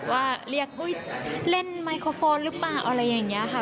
ว่าเรียกเล่นไมโครโฟนหรือเปล่าอะไรอย่างนี้ค่ะ